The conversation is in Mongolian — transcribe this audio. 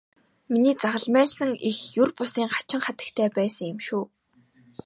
Миний загалмайлсан эх ер бусын хачин хатагтай байсан юм шүү.